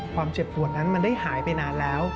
ความเจ็บตัวนั้นมันได้หายไปนานแล้ว